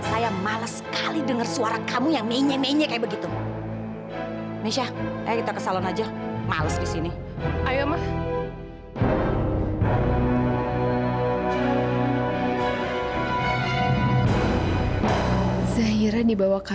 sampai jumpa di video selanjutnya